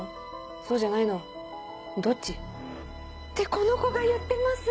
そうじゃないの？どっち？ってこの子が言ってます。